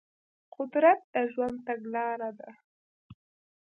قدرت د ژوند تګلاره ده.